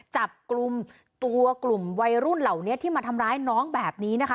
จับกลุ่มตัวกลุ่มวัยรุ่นเหล่านี้ที่มาทำร้ายน้องแบบนี้นะคะ